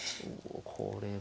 これは。